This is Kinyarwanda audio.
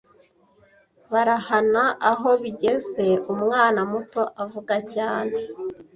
barahana aho bigeze umwana muto avuga cyane